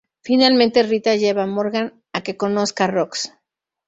Finalmente Rita lleva a Morgan a que conozca a Rooks.